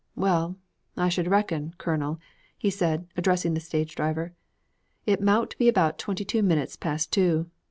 'Well, I should reckon, colonel,' he said, addressing the stage driver, 'it mout be about twenty two minutes past two.